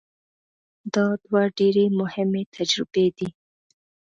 دا دوه ډېرې مهمې تجربې دي.